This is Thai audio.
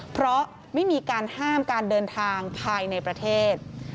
เพราะไม่มีการห้ามการเดินทางภายในประเทศ